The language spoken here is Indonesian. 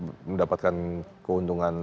jadi mendapatkan keuntungan